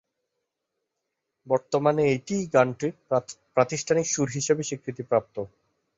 বর্তমানে এটিই গানটির প্রাতিষ্ঠানিক সুর হিসেবে স্বীকৃতিপ্রাপ্ত।